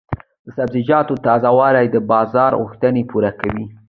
د سبزیجاتو تازه والي د بازار غوښتنې پوره کوي.